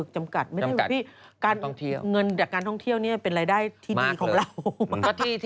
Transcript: จำกัดงั้นการท่องเที่ยวเนี่ยเป็นรายได้ที่ดีของเรา